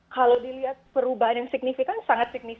kalau dilihat perubahan yang signifikan sangat signifikan